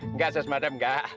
enggak ses madam enggak